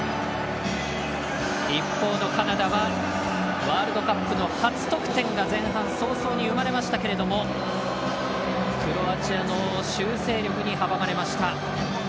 一方のカナダはワールドカップの初得点が前半早々に生まれましたけれどもクロアチアの修正力に阻まれました。